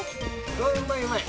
おー、うまい、うまい。